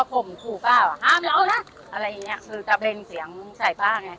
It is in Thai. กูป้าว่าห้ามแล้วนะอะไรอย่างเนี้ยคือจะเบลงเสียงใส่ป้าไง